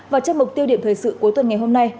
và trong mục tiêu điểm thời sự cuối tuần ngày hôm nay